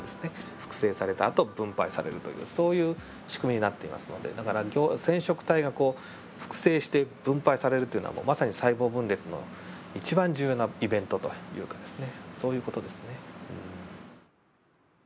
複製されたあと分配されるというそういう仕組みになっていますのでだから染色体がこう複製して分配されるっていうのはまさに細胞分裂の一番重要なイベントというかですねそういう事ですね。